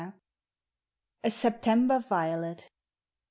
A SEPTEMBER VIOLET.